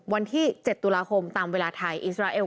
วันที่๗ตุลาคมตามเวลาไทยอิสราเอล